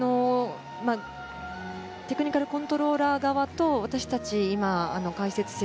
テクニカルコントローラー側と私たち、解説席